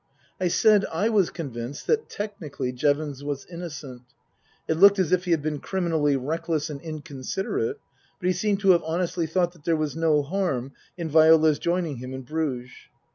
I said I was convinced that, technically, Jevons was innocent. It looked as if he had been criminally reckless and inconsiderate ; but he seemed to have honestly thought that there was no harm in Viola's joining him in Bruges.